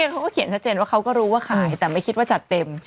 เขาก็เขียนชัดเจนว่าเขาก็รู้ว่าขายแต่ไม่คิดว่าจัดเต็ม